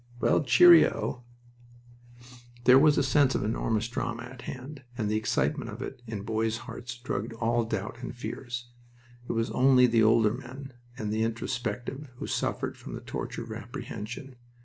"Well, cheerio!" There was a sense of enormous drama at hand, and the excitement of it in boys' hearts drugged all doubt and fears. It was only the older men, and the introspective, who suffered from the torture of apprehension.